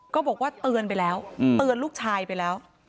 ก็บอกว่าเตือนไปแล้วเตือนลูกชายไปแล้ว